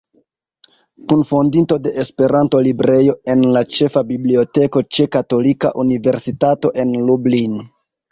Kunfondinto de Esperanto Librejo en la Ĉefa Biblioteko ĉe Katolika Universitato en Lublin.